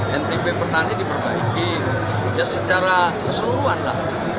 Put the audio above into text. dan tipe pertanian diperbaiki ya secara keseluruhan lah